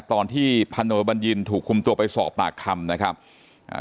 ตอนที่พันโนบัญญินถูกคุมตัวไปสอบปากคำนะครับอ่า